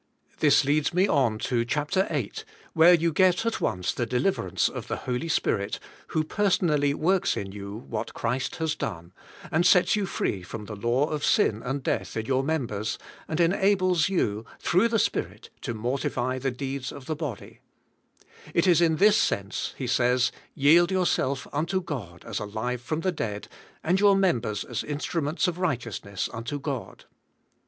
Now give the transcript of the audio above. This leads me on to chap ter 8, where you get at once the deliverance of the Holy Spirit, who personally works in you what Christ has done, and sets you free from the law of sin and death in your members, and enables you, through the Spirit, to mortify the deeds of the body, It is in this sense he says, "Yield yourself unto God as alive from the dead, and your members as instru ments of righteousness unto God."